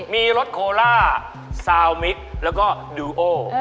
มีรถโคล่าซาวมิกแล้วก็ดูโอ